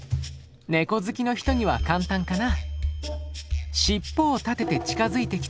ネコ好きの人には簡単かな？